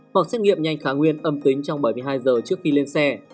hoặc xét nghiệm nhanh khá nguyên âm tính trong bảy mươi hai giờ trước khi lên xe